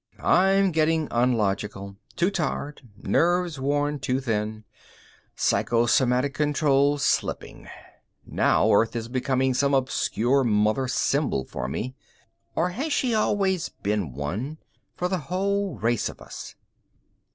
_I'm getting unlogical. Too tired, nerves worn too thin, psychosomatic control slipping. Now Earth is becoming some obscure mother symbol for me._ _Or has she always been one, for the whole race of us?